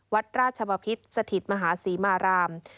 วัดราชบพิษสถิตมหาศรีมาราม